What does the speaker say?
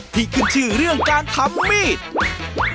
ที่ขึ้นชื่อเรื่องการทำมีด